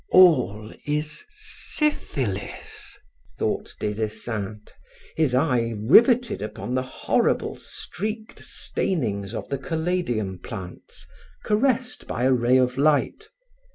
"All is syphilis," thought Des Esseintes, his eye riveted upon the horrible streaked stainings of the Caladium plants caressed by a ray of light.